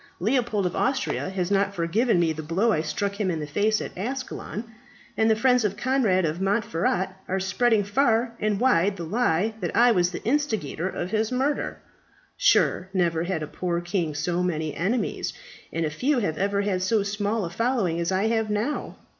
Leopold of Austria has not forgiven me the blow I struck him in the face at Ascalon, and the friends of Conrad of Montferat are spreading far and wide the lie that I was the instigator of his murder. Sure never had a poor king so many enemies, and few have ever had so small a following as I have now.